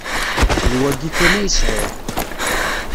D wayi kan ay sɛiɣ.